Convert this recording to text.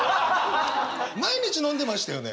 毎日飲んでましたよね？